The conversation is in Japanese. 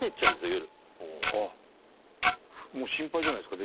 もう心配じゃないですか？